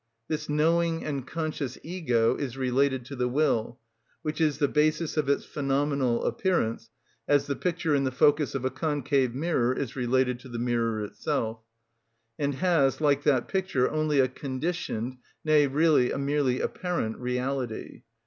This knowing and conscious ego is related to the will, which is the basis of its phenomenal appearance, as the picture in the focus of a concave mirror is related to the mirror itself, and has, like that picture, only a conditioned, nay, really a merely apparent, reality.